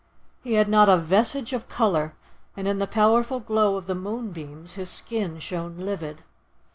He had not a vestige of colour, and, in the powerful glow of the moonbeams, his skin shone livid.